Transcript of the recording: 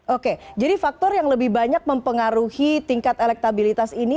oke jadi faktor yang lebih banyak mempengaruhi tingkat elektabilitas ini